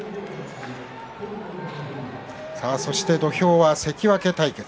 そして、土俵は関脇対決。